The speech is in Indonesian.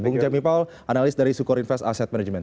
bung jami paul analis dari sukor invest asset management